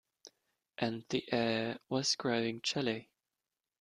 And the air was growing chilly.